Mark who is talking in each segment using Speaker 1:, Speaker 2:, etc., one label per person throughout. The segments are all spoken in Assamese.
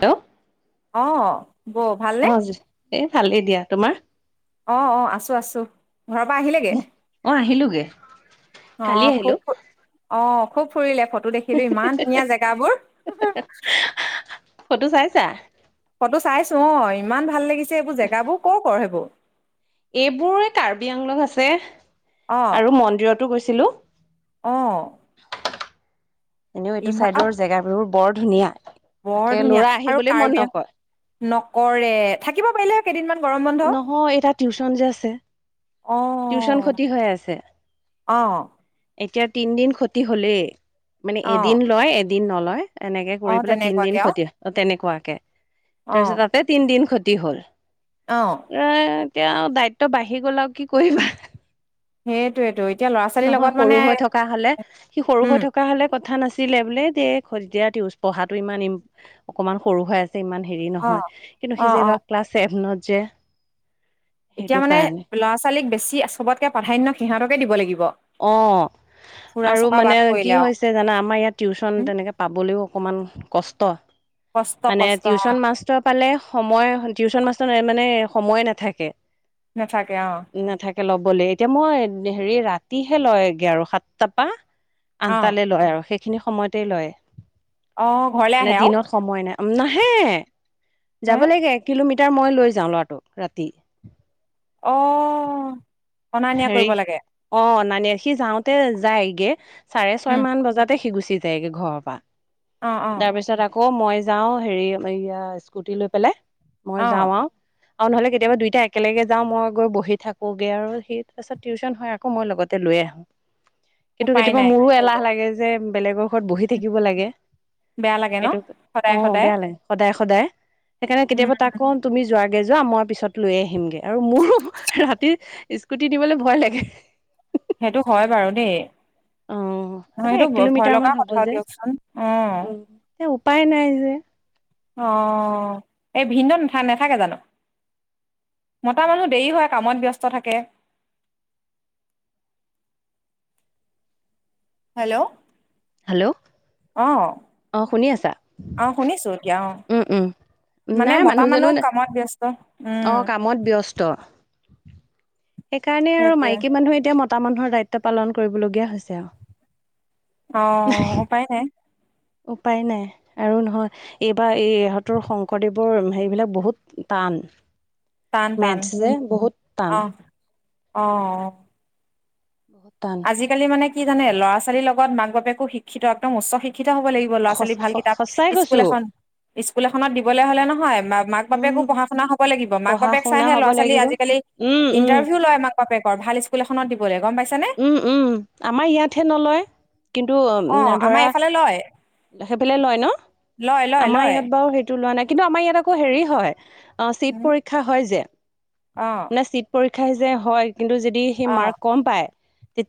Speaker 1: হেল্ল'
Speaker 2: অ', বৌ ভালনে?
Speaker 1: অ যে এই ভালেই দিয়া তোমাৰ?
Speaker 2: অ অ আছো আছো ঘৰৰ পৰা আহিলেগে?
Speaker 1: অ' আহিলোগে।
Speaker 2: অ
Speaker 1: কালি আহিলো
Speaker 2: খুব অ খুব ফুৰিলে ফটো দেখিলো ইমান ধুনীয়া জেগাবোৰ।
Speaker 1: হে হে হে ফটো চাইছা?
Speaker 2: ফটো চাইছো অ' ইমান ভাল লাগিছে এইবোৰ জেগাবোৰ কৰ কৰ সেইবোৰ?
Speaker 1: এইবোৰ কাৰ্বি আংল আছে
Speaker 2: অ',
Speaker 1: আৰু মন্দিৰতো গৈছিলো।
Speaker 2: অ
Speaker 1: এনেও এইটো
Speaker 2: ইমান আৰু
Speaker 1: চাইডৰ জেগাবোৰো বৰ ধুনীয়া
Speaker 2: বৰ
Speaker 1: তাকে
Speaker 2: ধুনীয়া
Speaker 1: লৰা
Speaker 2: আৰু
Speaker 1: আহিবলে
Speaker 2: কাৰ্বি
Speaker 1: মন
Speaker 2: আং
Speaker 1: নকয়।
Speaker 2: নকৰে থাকিব পাৰিলে কেইদিনমান গৰম ব
Speaker 1: নহয় এই তাৰ টিউশন যে আছে। টিউশন
Speaker 2: অ',
Speaker 1: খতি হৈ আছে।
Speaker 2: অ,
Speaker 1: এতিয়া তিনদিন খতি হলেই মানে
Speaker 2: অ',
Speaker 1: এদিন লয় এদিন নলয়- এনেকে কৰি
Speaker 2: অ',
Speaker 1: পেলাই তিন দিন
Speaker 2: তেনেকুৱাকে আৰু
Speaker 1: খতি অ তেনেকোৱাকে তাৰপিছত তাতে তিন দিন খতি হ'ল
Speaker 2: অঁ
Speaker 1: এ এতিয়া দায়িত্ব বাঢ়ি গ'ল আৰু কি কৰিবা।
Speaker 2: সেইটোৱেতো এতিয়া ল'ৰা ছোৱালীৰ
Speaker 1: নহয়
Speaker 2: লগত মানে
Speaker 1: সৰু হৈ থকা হলে, সি সৰু
Speaker 2: উম,
Speaker 1: হৈ থকা হলে কথা না ছিলে বোলে দেই এতিয়া পঢ়াটো ইমান ই অকমান সৰু হৈ আছে। ইমান হেৰি নহয়
Speaker 2: অ',
Speaker 1: কিন্তু
Speaker 2: অ',
Speaker 1: সিযে
Speaker 2: অ'।
Speaker 1: এবাৰ ক্লাছভনত যে'। সেইটো
Speaker 2: এতিয়া মানে
Speaker 1: কাৰণে
Speaker 2: ল'ৰা ছোৱালীক বেছি চবতকে প্ৰাধান্য সিহঁতকে দিব লাগিব।
Speaker 1: অ।
Speaker 2: ফুৰা
Speaker 1: আৰু
Speaker 2: চকা বাদ
Speaker 1: মানে কি
Speaker 2: পৰিলে আৰু
Speaker 1: হৈছে জানা, আমাৰ ইয়াত টিউচন
Speaker 2: উ
Speaker 1: তেনেকে পাবলৈও অকণমান- কষ্ট।
Speaker 2: কষ্ট
Speaker 1: মানে
Speaker 2: কষ্ট। অ
Speaker 1: টিউচন মাষ্টৰ পালে সময়, টিউশচন মাষ্টৰ মানে সময়ে নাথাকে।
Speaker 2: নাথাকে অঁ।
Speaker 1: নাথাকে ল'বলৈ এতিয়া মই হেৰি ৰাতিহে লয়গে আৰু সাতটাৰ পা।
Speaker 2: অ
Speaker 1: আনটালৈ লয় আৰু সেইখিনি সময়তে লয়,
Speaker 2: অ ঘৰলে
Speaker 1: মানে
Speaker 2: আহে আৰু
Speaker 1: দিনত সময় নাই নাহে
Speaker 2: হে
Speaker 1: যাব লাগে এক কিলোমিটাৰ মই লৈ যাওঁ ল'ৰাটোক ৰাতি-
Speaker 2: অঁ অনা নিয়া
Speaker 1: হেৰি
Speaker 2: কৰিব লাগে।
Speaker 1: অ অনা নিয়া সি যাওঁতে যায়গে চাৰে ছয়
Speaker 2: উম
Speaker 1: মান বজাতে সি গুচি - যায়গে ঘৰৰ পৰা
Speaker 2: অ অ
Speaker 1: তাৰ পিছত আকৌ- আকৌ মই যাও হেৰি স্কুটি লৈ পেলাই মই
Speaker 2: অ
Speaker 1: যাওঁ আৰু। আৰু নহলে কেতিয়াবা দুইটা একেলগে যাওঁ মই গৈ বহি থাকোগে আৰু- তাৰপিছত আকৌ মই লগতে লৈ আহো, এইটো
Speaker 2: উপায়
Speaker 1: কেতিয়াবা
Speaker 2: নাই
Speaker 1: মোৰো
Speaker 2: কি কৰিব
Speaker 1: এলাহ লা- যে বেলেগৰ ঘৰত বহি থাকিব লাগে,
Speaker 2: বেয়া লাগে ন
Speaker 1: এইটো
Speaker 2: সদায়
Speaker 1: অঁ
Speaker 2: সদায়
Speaker 1: বেয়া লাগে। সদায় সদায়, সেইকাৰণে
Speaker 2: উম
Speaker 1: কেতিয়াবা তাক কঁও। তুমি যোৱাগে যোৱা মই পিছত লৈ আহিমগে, আৰু মোৰো ৰাতি স্কুটি নিবলৈ ভয় লাগে।
Speaker 2: সেইটো হয় বাৰু দেই
Speaker 1: অ
Speaker 2: অহ
Speaker 1: আকৌ
Speaker 2: সেইটো
Speaker 1: এক
Speaker 2: ভয়
Speaker 1: কিলোমিটাৰ মান
Speaker 2: লগা
Speaker 1: হ'ব
Speaker 2: কথাও
Speaker 1: যে
Speaker 2: দিয়কচোন উম।
Speaker 1: এ উপায় নাই যে-
Speaker 2: অঁ এই ভিনডও নাথাকে জানো। মতা মানুহ দেৰি হয় কামত ব্যস্ত থাকে। হেল্ল',
Speaker 1: হেল্ল'
Speaker 2: অঁ
Speaker 1: অ শুনি আছা
Speaker 2: অ শুনিছোঁ এতিয়া অঁ।
Speaker 1: উম উম।
Speaker 2: মানে
Speaker 1: নাই
Speaker 2: মতা
Speaker 1: মানুহজনো
Speaker 2: মানুহ কামত ব্যস্ত উম।
Speaker 1: ত সেইকাৰণে আৰু
Speaker 2: সেইটোৱে
Speaker 1: মাইকী মানুহে এতিয়া মতা মানুহৰ দায়িত্ব পালন কৰিবলগীয়া হৈছে আও।
Speaker 2: অঁ উপায় নাই।
Speaker 1: উপায় নাই। আৰু নহয় এইবাৰ এই ইহঁতৰ শংকৰদেৱৰ সেইবিলাক বহুত টান
Speaker 2: টান টান
Speaker 1: মেথচ যে বহুত টান
Speaker 2: অঁ
Speaker 1: বহুত তান
Speaker 2: আজিকালি মানে কি জানে লৰা ছোৱালীৰ লগত বাপেকো শিক্ষিত উচ্চ শিক্ষিত হ'ব লাগিব। ল'ৰা ছোৱালী
Speaker 1: সঁচ-
Speaker 2: ভাল
Speaker 1: স-
Speaker 2: কিতাপ,
Speaker 1: সঁচাই
Speaker 2: স্কুল
Speaker 1: কৈছো
Speaker 2: এখন স্কুল এখনত দিবলৈ হলে নহয়, মা মাক
Speaker 1: উম
Speaker 2: বাপেকো পঢ়া শুনা হ'ব লাগিব। মাক- মাক
Speaker 1: পঢ়া
Speaker 2: বাপেক
Speaker 1: শুনা
Speaker 2: চাইহে
Speaker 1: হ'ব
Speaker 2: লৰা ছোৱালী
Speaker 1: লাগিব
Speaker 2: আজিকালি
Speaker 1: উম উম
Speaker 2: ইন্টাৰভিউ লয় মাক বাপেকৰ ভাল স্কুল এখনত দিবলৈ গম পাইছে নে
Speaker 1: উম উম আমাৰ ইয়াতহে নলয়- কিন্তু উম
Speaker 2: অ আমাৰ
Speaker 1: ধৰা
Speaker 2: এইফালে লয়
Speaker 1: সেইফালে লয় ন
Speaker 2: লয় লয়
Speaker 1: আমাৰ
Speaker 2: লয়
Speaker 1: ইয়াত বাৰু সেই- লোৱা নাই কিন্তু আমাৰ ইয়াত আকৌ হেৰি হয়, চিট পৰীক্ষা হয় যে-
Speaker 2: অ
Speaker 1: ছিট পৰীক্ষা যে হয় কিন্তু যদি সি
Speaker 2: অ
Speaker 1: মাৰ্ক কম পায়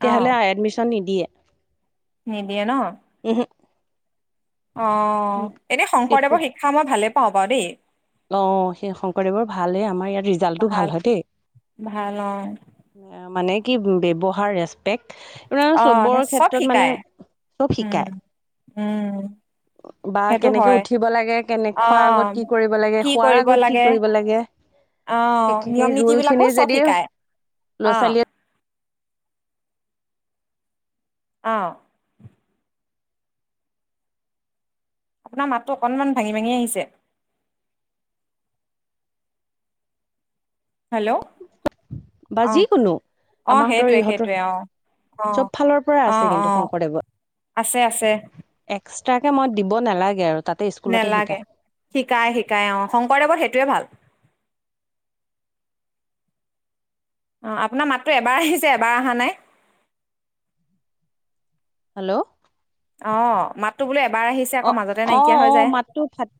Speaker 2: অ
Speaker 1: আ এডমিশন নিদিয়ে।
Speaker 2: নিদিয়ে ন
Speaker 1: উহো
Speaker 2: অ এনে
Speaker 1: চিট
Speaker 2: শংকৰদেৱৰ, শিক্ষা মই ভালে পাওঁ বাৰু দেই
Speaker 1: অ সেই শংকৰদেৱৰ ভালেই আমাৰ ইয়াত ৰিজাল্টটো ভাল হয় দেই।
Speaker 2: ভাল অ',
Speaker 1: মানে কি ব্যৱহাৰ ৰেচপেক্ট আপোনাৰ
Speaker 2: অ', সেই
Speaker 1: চবৰ
Speaker 2: চব
Speaker 1: ক্ষেত্ৰত মানে।
Speaker 2: শিকায়।
Speaker 1: চব
Speaker 2: উম,
Speaker 1: শিকায়
Speaker 2: উম,
Speaker 1: বা
Speaker 2: সেইটো
Speaker 1: কেনেকে
Speaker 2: হয়।
Speaker 1: উঠিব লাগে কেনে খোৱাৰ আগত
Speaker 2: অ',
Speaker 1: কি কৰিব- লাগে
Speaker 2: কি
Speaker 1: শুৱাৰ
Speaker 2: কৰিব
Speaker 1: আগত কি
Speaker 2: লাগে
Speaker 1: কৰিব লাগে
Speaker 2: অ', নিয়ম
Speaker 1: সেইখিনি
Speaker 2: নীতি
Speaker 1: ৰোল
Speaker 2: বিলাকো
Speaker 1: খিনি
Speaker 2: চব
Speaker 1: যদি
Speaker 2: শিকায়। অ',
Speaker 1: লৰা ছোৱালীয়ে
Speaker 2: অ আপোনাৰ মাতটো অকনমান ভাঙি ভাঙি আহিছে হেল্ল'
Speaker 1: বা
Speaker 2: অ
Speaker 1: যিকোনো
Speaker 2: অ
Speaker 1: আমাৰ হাতৰ
Speaker 2: সেইটোৱে
Speaker 1: ইহঁতৰ
Speaker 2: সেইটোৱে অ অ
Speaker 1: চব ফালৰ পৰা
Speaker 2: অ
Speaker 1: আছে
Speaker 2: অ
Speaker 1: কিন্তু শংকৰদেৱত
Speaker 2: আছে আছে
Speaker 1: এক্সট্ৰাকে মই দিব নালাগে আৰু তাতে স্কুলতে
Speaker 2: নেলাগে
Speaker 1: শিকায়
Speaker 2: শিকায় শিকায় অ শংকৰদেৱত সেইটোৱে ভাল অ আপোনাৰ মাততো এবাৰ আহিছে এবাৰ অহা নাই
Speaker 1: হেল্ল'
Speaker 2: অ মাততো বোলে এবাৰ আহিছে আকৌ মাজতে নাইকিয়া হৈ যায়
Speaker 1: টো ফাট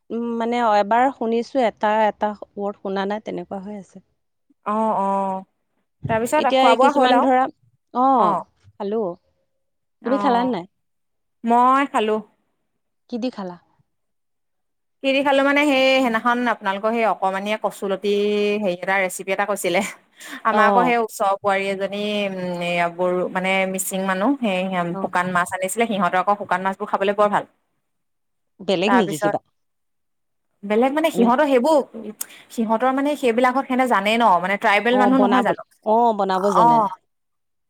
Speaker 1: মানে এবাৰ শুনিছোঁ এটা এটা ৱৰ্ড শুনা নাই তেনেকুৱা হৈ আছে
Speaker 2: অ অ তাৰপিছত
Speaker 1: এতিয়া
Speaker 2: খোৱা বোৱা হ'ল
Speaker 1: কিছুমান
Speaker 2: আৰু
Speaker 1: ধৰা অ খালো তুমি খালা নে
Speaker 2: অ',
Speaker 1: নাই
Speaker 2: মই খালো
Speaker 1: কি দি খালা
Speaker 2: কি দি খালো মানে সেই সেইদিনাখন আপোনালোকৰ সেই অকণমানি কচুলতি হেৰি এটা ৰেচিপি এটা কৈছিলে
Speaker 1: অ
Speaker 2: আমাৰ আকৌ সেই ওচৰৰ বোৱাৰী এজনী উম বৰু মানে মিচিং মানুহ সেইহিয়াম
Speaker 1: অ
Speaker 2: শুকান মাছ আনিছিলে সিহতৰ আকৌ শুকান মাছবোৰ খাবলৈ বৰ ভাল
Speaker 1: বেলেগ নেকি
Speaker 2: তাৰপিছত
Speaker 1: কিবা
Speaker 2: বেলেগ মানে
Speaker 1: আমি
Speaker 2: সিহঁতৰ সেইবোৰ সিহঁতৰ মানে সেইবিলাকত সেতে জানে ন মানে ট্ৰাইবেল
Speaker 1: অ
Speaker 2: মানুহ নহয়
Speaker 1: বনাব
Speaker 2: জানো
Speaker 1: অ বনাব
Speaker 2: অ
Speaker 1: জানে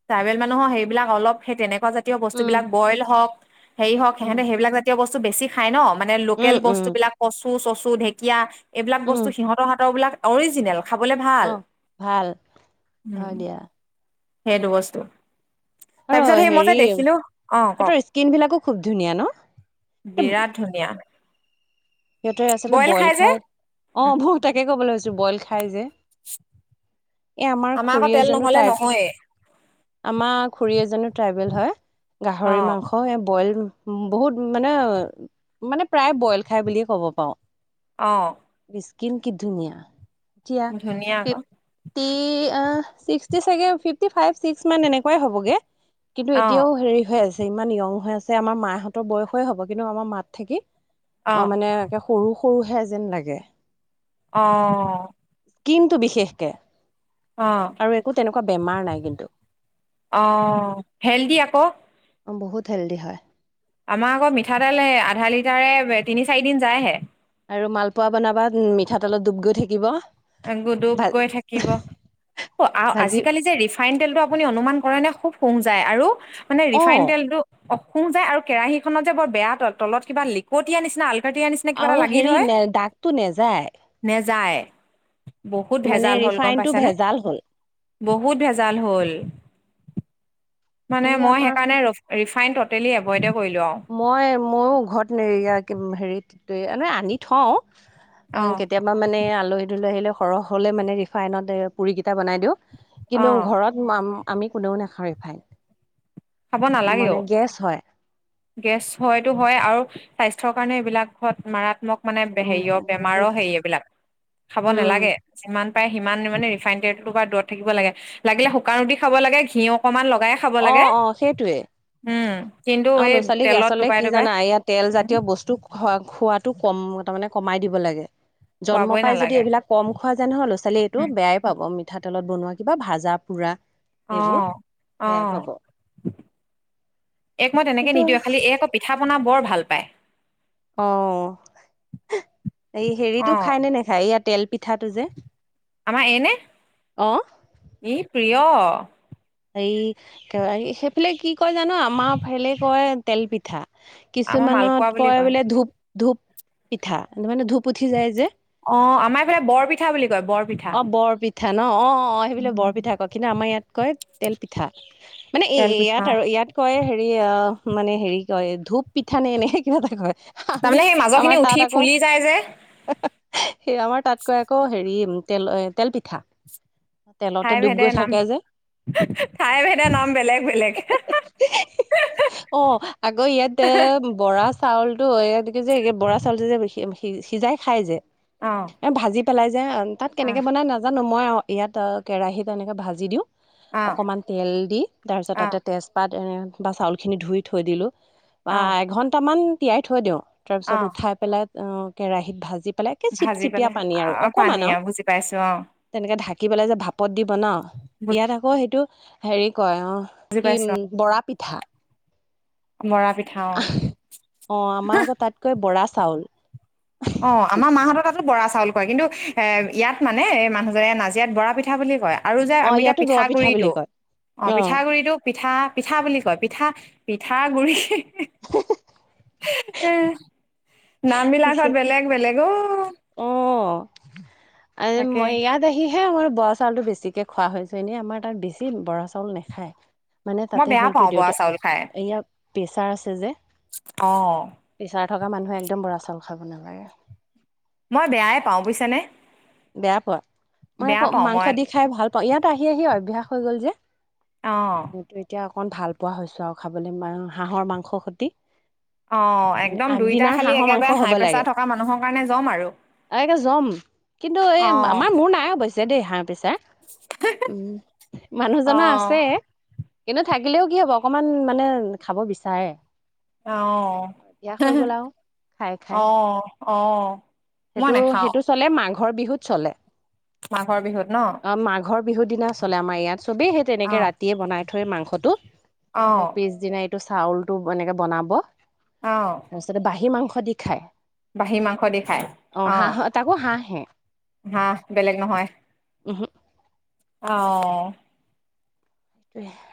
Speaker 2: ট্ৰাইবেল মানুহৰ সেইবিলাক অলপ সেই তেনেকুৱা জাতীয়
Speaker 1: উম
Speaker 2: বস্তুবিলাক বইল হওক হেৰি হওক
Speaker 1: উম
Speaker 2: সিহঁতে সেইবিলাক জাতীয় বস্তু বেছি খাই ন মানে
Speaker 1: উম
Speaker 2: লোকেল
Speaker 1: উম
Speaker 2: বস্তুবিলাক কচু চচু ঢেঁকীয়া এইবিলাক
Speaker 1: উম
Speaker 2: বস্তু সিহঁতৰ সাঁতবিলাক অৰিজিনেল খাবলে ভাল
Speaker 1: অ ভাল
Speaker 2: উ
Speaker 1: হয় দিয়া
Speaker 2: সেইটো বস্তু
Speaker 1: আৰু
Speaker 2: তাৰপিছত সেই মই যে
Speaker 1: হেৰি
Speaker 2: দেখিলো অ
Speaker 1: সিহঁতৰ
Speaker 2: কওক
Speaker 1: স্কিন বিলাকো খুব ধুনীয়া ন
Speaker 2: বিৰাট ধুনীয়া
Speaker 1: সিহঁতে আচলতে বইল খাই অ
Speaker 2: উম,
Speaker 1: বহ তাকে ক'বলৈ লৈছো বইল খাই যে এই আমাৰ
Speaker 2: আকৌ
Speaker 1: খুৰী
Speaker 2: তেল
Speaker 1: এজনীও
Speaker 2: নহ'লে
Speaker 1: টাইপ
Speaker 2: নহয়ে
Speaker 1: আমাৰ খুৰী এজনো ট্ৰাইবেল হয়
Speaker 2: অ
Speaker 1: গাহৰি মাংস এই বইল বহুত মানে মানে প্ৰায় বইল খাই বুলিয়ে ক'ব পাওঁ
Speaker 2: অ
Speaker 1: স্কিন কি ধুনীয়া এতিয়া
Speaker 2: ধুনীয়া আকৌ
Speaker 1: ফিফ্টি চিষ্টি চাগে ফিফটি ফাইভ চিষ্টি এনেকুৱাই হ'বগে কিন্তু
Speaker 2: অ
Speaker 1: এতিয়াও হেৰি হৈ আছে ইমান য়ং হৈ আছে আমাৰ মাহঁতৰ বয়সৰে হ'ব কিন্তু আমাৰ মাত থাকি অ মানে এনেকে সৰু সৰুহে যেন লাগে।
Speaker 2: অ
Speaker 1: কিন্তু বিশেষকে।
Speaker 2: অ
Speaker 1: আৰু একো তেনেকুৱা বেমাৰ নাই কিন্তু।
Speaker 2: অ হেল্ডি আকৌ
Speaker 1: অ বহুত হেল্ডদি হয়
Speaker 2: আমাৰ আকৌ মিঠাতেল আধা লিটাৰে তিনি চাৰি দিন যায়হে
Speaker 1: আৰু মালপোৱা বনাবাত মিঠাতেলত ডুব গৈ থাকিব
Speaker 2: আ গুদুপ
Speaker 1: ভা
Speaker 2: গৈ থাকিব। অ
Speaker 1: ভাজি
Speaker 2: আজিকালি যে ৰিফ ৰিফাইন তেলটো আপুনি অনুমান কৰেনে খুব সুং যায় আৰু মানে
Speaker 1: অ
Speaker 2: ৰিফাইন তেলটো। অ সুং যায় আৰু কেৰাহীখনত যে বৰ বেয়া তল তলত কিবা লিকটীয়া নিচিনা আলকাটিয়া নিচিনা, কিবা এটা
Speaker 1: আৰু
Speaker 2: লাগি
Speaker 1: হেৰি
Speaker 2: ধৰে
Speaker 1: নে দাগটো নেযায়।
Speaker 2: নেযায় বহুত
Speaker 1: মানে
Speaker 2: ভেজাল হ'ল গম
Speaker 1: ৰিফাইনটো
Speaker 2: পাইছানে।
Speaker 1: ভেজাল হ'ল
Speaker 2: বহুত ভেজাল হল। মানে
Speaker 1: এই
Speaker 2: মই
Speaker 1: আমাৰ
Speaker 2: সেইকাৰণে ৰখ, ৰিফাইন ততেলী এভইডে কৰিলোঁ অ,
Speaker 1: মই মইও ঘৰত নেৰিয়া হেৰিত আনি থওঁ
Speaker 2: অ'
Speaker 1: কেতিয়াবা। মানে আলহী দুলহী আহিলে সৰহ হ'লে মানে ৰিফাইনতে পুৰি কেইটা বনাই দিওঁ। কিন্তু
Speaker 2: অ'
Speaker 1: ঘৰত, আমি কোনেও নাখাওঁ ৰিফাইন।
Speaker 2: খাব নালাগেও।
Speaker 1: মানে গেছ হয়
Speaker 2: গেছ হয়তটো হয় আৰু স্বাস্থ্যৰ কাৰণে এইবিলাক হহুত মাৰাত্মক। মানে
Speaker 1: উম,
Speaker 2: হেৰিয় বেমাৰৰ
Speaker 1: বহুত
Speaker 2: হেৰি এইবিলাক খাব
Speaker 1: উম
Speaker 2: নালাগে। যিমান পাৰে সিমান মানে ৰিফাইন তেলতোপা দূৰত থাকিব লাগে। লাগিলে শুকান ৰুটি খাব লাগে ঘিউ অকমান লগাই, খাব
Speaker 1: অ
Speaker 2: লাগে
Speaker 1: অ সেইটোৱে
Speaker 2: উম কিন্তু
Speaker 1: আৰু
Speaker 2: এই
Speaker 1: ল'ৰা ছোৱালীক
Speaker 2: তেলত
Speaker 1: আচলতে
Speaker 2: ডুবাই
Speaker 1: কি
Speaker 2: ডুবাই
Speaker 1: জানা ইয়াত
Speaker 2: উম
Speaker 1: তেলজাতীয়। বস্তু খোৱা খোৱাটো কম তাৰ মানে কমাই দিব লাগে। জন্ম
Speaker 2: খোৱাবই
Speaker 1: পাই যদি
Speaker 2: নালাগে
Speaker 1: এইবিলাক। কম খোৱা যে নহয় ল'ৰা ছোৱালী এইটো
Speaker 2: উম
Speaker 1: বেয়াই পাব মিঠাতেলত বনোৱা কিবা ভাজা পোৰা।
Speaker 2: অ
Speaker 1: এইবোৰ
Speaker 2: অ
Speaker 1: বেয়াই পাব
Speaker 2: এক মই তেনেকে
Speaker 1: কিন্তু
Speaker 2: নিদিওঁ খালি এক, পিঠা পনা বৰ ভাল পায়।
Speaker 1: অ, এই
Speaker 2: অ
Speaker 1: হেৰিতটো খাই নে নেখায় ইয়াৰ তেল পিঠাটো যে
Speaker 2: আমাৰ এনে
Speaker 1: অ,
Speaker 2: ই প্ৰিয়।
Speaker 1: হে সেইফালে কি কয় জানো আমাৰফালে কয় তেলপিঠা।
Speaker 2: আমাৰ মালপোৱা
Speaker 1: কিছুমানত
Speaker 2: বুলি
Speaker 1: কয় বোলে ধূপ ধূপ পিঠা মানে ধূপ উঠি যায় যে।
Speaker 2: অ আমাৰ এইফালে বৰপিঠা বুলি কয় বৰপিঠা।
Speaker 1: অ বৰ পিঠা ন অ অ অ সেইবিলাক বৰপিঠা কয় কিন্তু আমাৰ ইয়াত কয় তেল পিঠা। মানে এই
Speaker 2: তেল পিঠা
Speaker 1: ইয়াত আৰু ইয়াত, কয় হেৰি অ মানে হেৰি কয় ধূপ পিঠা নে এনেকে কিবা এটা কয়। আমি
Speaker 2: তাৰমানে সেই মাজৰ
Speaker 1: আমাৰ
Speaker 2: খিনি উঠি
Speaker 1: তাত আক।
Speaker 2: ফুলি যায় যে
Speaker 1: আমাৰ তাত কয় আক হেৰি তেল তেল পিঠা। তেলতে
Speaker 2: ঠাই
Speaker 1: ডুব
Speaker 2: ভেদে
Speaker 1: গৈ
Speaker 2: নাম,
Speaker 1: থাকে যে
Speaker 2: ঠাই ভেদে নাম বেলেগ বেলেগ।
Speaker 1: অ আকৌ ইয়াত এ বৰা চাউলতটো এই কি যে বৰা চাউলটো যে সিজাই খাই যে।
Speaker 2: অ,
Speaker 1: ভাজি পেলাই যে তাত
Speaker 2: অ
Speaker 1: কেনেকৈ বনাই নাজানো মই ইয়াত কেৰাহীত এনেকে ভাজি দিওঁ।
Speaker 2: অ
Speaker 1: অকণমান তেল দি তাৰপিছত
Speaker 2: অ
Speaker 1: তাতে তেজপাত বা চাউলখিনি ধুই থৈ দিলোঁ। বা
Speaker 2: অ
Speaker 1: এঘন্টামান তিয়াই থৈ দিওঁ তাৰ
Speaker 2: অ
Speaker 1: পিছত উঠাই পেলাই কেৰাহীত ভাজি পেলাই। তে
Speaker 2: ভাজি
Speaker 1: চিপচিপিয়া
Speaker 2: পেলাই
Speaker 1: পানী আৰু
Speaker 2: অ
Speaker 1: অকমান আৰু
Speaker 2: পানীয়া বুজি পাইছো অ
Speaker 1: তেনেকে ঢাকি পেলাই যে ভাপত দি বনাও। ইয়াত আকৌ সেইটো হেৰি কয় অ,
Speaker 2: বুজি
Speaker 1: কি উম
Speaker 2: পাইছো
Speaker 1: বৰা পিঠা।
Speaker 2: বৰা পিঠা অ।
Speaker 1: অ' আমাৰ আকৌ তাত কৈ বৰা চাউল।
Speaker 2: অ' আমাৰ মাহঁতৰ তাতো বৰা চাউল কয় কিন্তু এ ইয়াত মানে এই মানুহজনে নাজিয়াত বৰা পিঠা বুলি কয়। আৰু যে
Speaker 1: অ
Speaker 2: আমি এতিয়া
Speaker 1: ইয়াতো বৰ পিঠা বুলি
Speaker 2: পিঠাগুৰিটো
Speaker 1: কয়
Speaker 2: অ' পিঠাগুৰিটো। পিঠা-পিঠা বুলি কয় পিঠা পিঠাগুৰি।
Speaker 1: হে, হে।
Speaker 2: হে নাম বিলাকত বেলেগ বেলেগ অ,
Speaker 1: অ আৰু
Speaker 2: তাকে
Speaker 1: মই ইয়াত। সিহে আমাৰ বৰা চাউলতো বেছিকে খোৱা হৈছে। এনেই আমাৰ তাত বেছি বৰা চাউল নেখায়। মানে
Speaker 2: মই
Speaker 1: তাতে
Speaker 2: বেয়া
Speaker 1: হ'ল কি
Speaker 2: পাওঁ বৰা
Speaker 1: দেউতাৰ
Speaker 2: চাউল খাই
Speaker 1: ইয়াৰ প্ৰেছাৰ আছে যে।
Speaker 2: অ
Speaker 1: প্ৰেচাৰ থকা মানুহে একদম বৰা চাউল খাব নালাগে।
Speaker 2: মই বেয়াই পাওঁ বুজিছানে।
Speaker 1: বেয়া পোৱা? মই
Speaker 2: বেয়া
Speaker 1: আকৌ
Speaker 2: পাওঁ
Speaker 1: মাংস
Speaker 2: মই
Speaker 1: দি খাই ভাল পাওঁ। ইয়াত আহি-আহি অভ্যাস হৈ গ'ল যে।
Speaker 2: অ',
Speaker 1: মইটো এতিয়া অকন ভাল পোৱা হৈছোঁ আৰু খাবলৈ হাঁহৰ মাংসৰ সৈতে।
Speaker 2: অ' একদম দুইটা খালী একেবাৰে হাই প্ৰেছাৰ থকা মানুহৰ কাৰণে যম আৰু।
Speaker 1: অ' একে যম কিন্তু এই
Speaker 2: অ',
Speaker 1: আমাৰ মোৰ নাই অৱশ্যে দেই হাই প্ৰেছাৰ। উম মানুহজনৰ
Speaker 2: অ',
Speaker 1: আছে কিন্তু থাকিলেও কি হ'ব অকমান মানে খাব বিচাৰে।
Speaker 2: অ'
Speaker 1: অভ্যাস হৈ
Speaker 2: হে-হে,
Speaker 1: গ'ল আৰু খাই খাই
Speaker 2: অ'-অ'। মই
Speaker 1: সেইটো
Speaker 2: নাখাঁও।
Speaker 1: সেইটো চলে মাঘৰ বিহুত চলে।
Speaker 2: মাঘৰ বিহুত ন'।
Speaker 1: অ মাঘৰ বিহুৰ দিনা চলে আমাৰ ইয়াত চবেই সেই তেনেকে
Speaker 2: অ',
Speaker 1: ৰাতিয়ে বনাই থৈ মাংসটো। আৰু
Speaker 2: অ',
Speaker 1: পিছদিনা এইটো চাউলটো এনেকে বনাব।
Speaker 2: অ'।
Speaker 1: তাৰপিছতে বাহি মাংস দি খায়।
Speaker 2: বাহি মাংস দি খায়,
Speaker 1: হাঁহ
Speaker 2: অ'
Speaker 1: তাকো হাঁহে
Speaker 2: হাঁহ বেলেগ নহয়।
Speaker 1: উহু
Speaker 2: অ'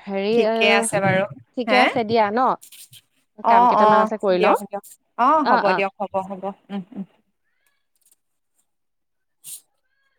Speaker 1: হেৰি
Speaker 2: ঠিকে আছে
Speaker 1: অ' ঠিকে আছে দিয়া ন'। কাম কেইটামান
Speaker 2: অ'-অ'
Speaker 1: আছে কৰি লওঁ
Speaker 2: দিয়ক-দিয়ক অ' হ'ব দিয়ক হ'ব-হ'ব উম-উম। [unintelligible]